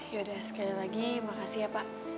yaudah sekali lagi makasih ya pak